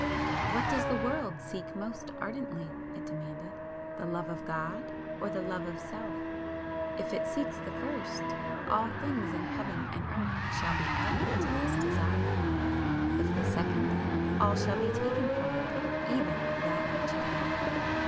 "What does the world seek most ardently?" it demanded "The Love of God? or the Love of Self? If it seeks the first, all things in heaven and earth shall be added to its desire if the second, all shall be taken from it, even that which it hath!"